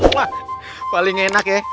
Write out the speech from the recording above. wah paling enak ya